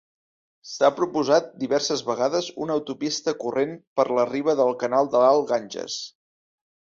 S'ha proposat diverses vegades una autopista corrent per la riba del canal de l'alt Ganges.